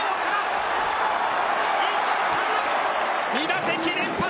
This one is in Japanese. ２打席連発。